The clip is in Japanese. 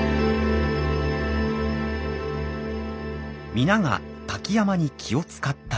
皆が瀧山に気を遣った理由。